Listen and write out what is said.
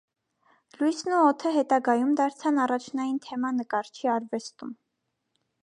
Լույսն ու օդը հետագայում դարձան առաջնային թեմա նկարչի արվեստում։